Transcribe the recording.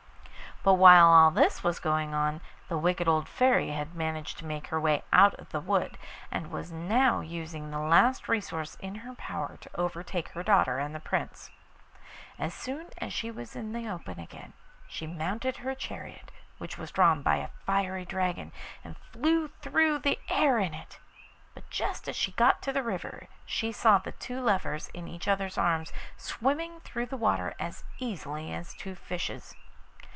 But while all this was going on the wicked old Fairy had managed to make her way out of the wood, and was now using the last resource in her power to overtake her daughter and the Prince. As soon as she was in the open again she mounted her chariot, which was drawn by a fiery dragon, and flew through the air in it. But just as she got to the river she saw the two lovers in each other's arms swimming through the water as easily as two fishes.